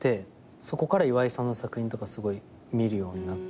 そこから岩井さんの作品とかすごい見るようになったりとか。